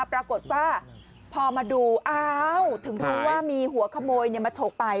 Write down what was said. ปรากฏว่าพอมาดูอ้าวถึงรู้ว่ามีหัวขโมยมาฉกไป